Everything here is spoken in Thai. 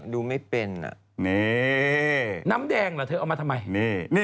ดูไม่เป็นอ่ะนี่น้ำแดงเหรอเธอเอามาทำไม